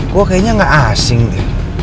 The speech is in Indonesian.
gue kayaknya gak asing deh